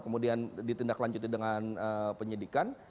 kemudian ditindaklanjuti dengan penyelidikan